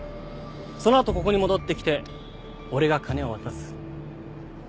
そのあとここに戻ってきて俺が金を渡す。